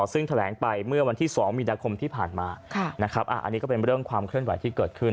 ซึ่งแถลงไปเมื่อวันที่๒มีนาคมที่ผ่านมาอันนี้ก็เป็นเรื่องความเคลื่อนไหวที่เกิดขึ้น